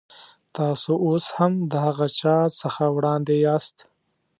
تاسو اوس هم د هغه چا څخه وړاندې یاست.